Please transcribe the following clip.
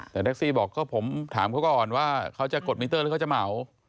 แต่แท็กซี่บอกก็ผมถามเขาก่อนว่าเขาจะกดมิเตอร์หรือเขาจะเหมา